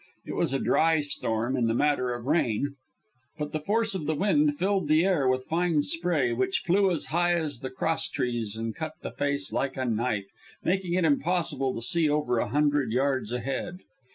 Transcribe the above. It was a dry storm in the matter of rain, but the force of the wind filled the air with fine spray, which flew as high as the crosstrees and cut the face like a knife, making it impossible to see over a hundred yards ahead.